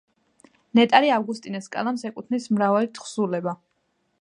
ნეტარი ავგუსტინეს კალამს ეკუთვნის მრავალი თხზულება.